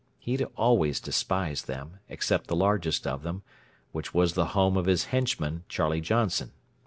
He had always despised them, except the largest of them, which was the home of his henchman, Charlie Johnson.